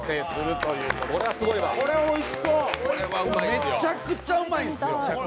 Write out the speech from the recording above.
めっちゃくちゃうまいんですよ。